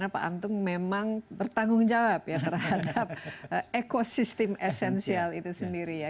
pak antung memang bertanggung jawab ya terhadap ekosistem esensial itu sendiri ya